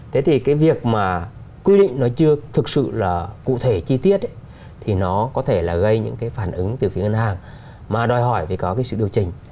thế thì cái việc mà quy định nó chưa thực sự là cụ thể chi tiết thì nó có thể là gây những cái phản ứng từ phía ngân hàng mà đòi hỏi phải có cái sự điều chỉnh